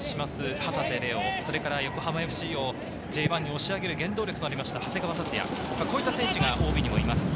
旗手怜央、横浜ＦＣをＪ１に押し上げる原動力となった長谷川竜也、こういった選手がＯＢにもいます。